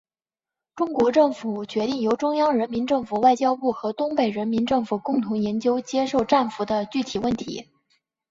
中国政府决定由中央人民政府外交部和东北人民政府共同研究接受战俘的具体问题。